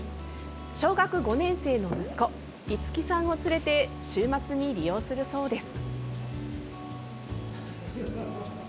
小学５年生の息子一喜さんを連れて週末に利用するそうです。